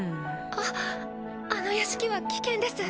ああの屋敷は危険です。